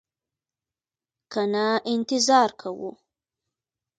که نه انتظار کوو.